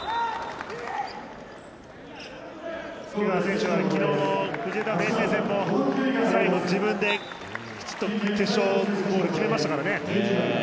介川選手は昨日の藤枝明誠戦も最後、自分できちんと決勝ゴールを決めましたからね。